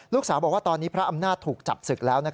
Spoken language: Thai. ลูกสาวบอกว่าตอนนี้พระอำนาจถูกจับศึกแล้ว